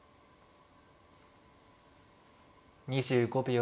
２５秒。